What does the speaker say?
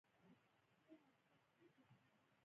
د اقتصادي خپلواکۍ کموالی د نورو کموالی دی.